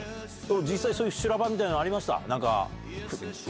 実際そういう修羅場みたいなのありました？